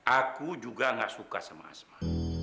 aku juga gak suka sama asma